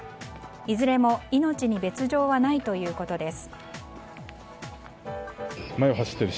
いずれも命に別状はないということです。